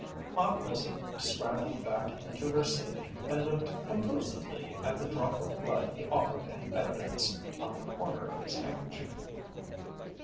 Aunt Lizzie scrambled back into her seat and looked composedly at the drop of blood he offered in evidence, on the corner of his handkerchief.